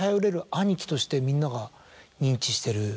としてみんなが認知してる。